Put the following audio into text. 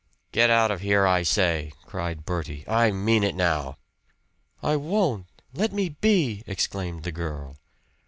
"Get out of here, I say!" cried Bertie, "I mean it now." "I won't! Let me be!" exclaimed the girl.